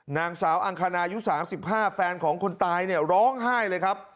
นางสาวอังคณาอายุ๓๕แฟนของคนตายเนี่ยร้องไห้เลยครับ